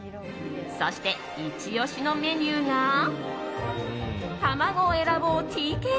そして、イチ押しのメニューがたまごをえらぼうＴＫＧ。